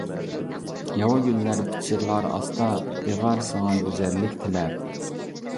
ياۋا گۈللەر پىچىرلار ئاستا، دىغار ساڭا گۈزەللىك تىلەپ.